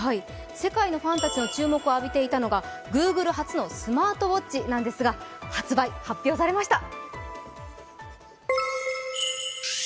世界のファンたちの注目を浴びていたのがＧｏｏｇｌｅ初のスマートウォッチなんですが発売、発表されました。